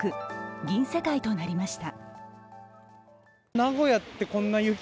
銀世界となりました。